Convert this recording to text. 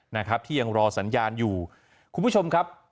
นะครับที่ยังรอสัญญาณอยู่คุณผู้ชมครับ